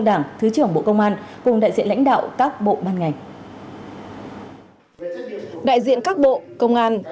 đảng ủy công an trung ương bộ công an